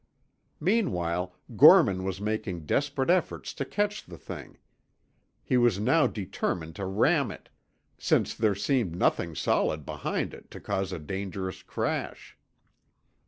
Meanwhile, Gorman was making desperate efforts to catch the thing. He was now determined to ram it, since there seemed nothing solid behind it to cause a dangerous crash.